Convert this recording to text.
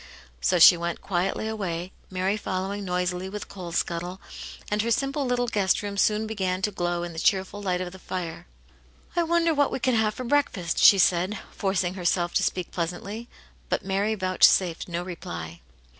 So she went quietly away, Mary following noisily with the coal scuttle, and her simple little guest room soon began to glow in the cheerful light of the fire. I wonder what we can have for breakfast," she said, forcing herself to speak pleasantly; but Mary vouchsafed no reply.